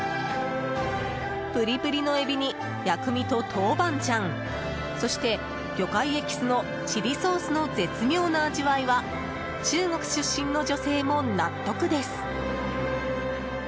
プリプリのエビに、薬味と豆板醤そして魚介エキスのチリソースの絶妙な味わいは中国出身の女性も納得です。